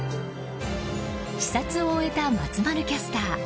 視察を終えた松丸キャスター。